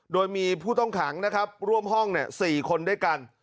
โดยมีผู้ต้องขังนะครับร่วมห้อง๔คนด้วยกัน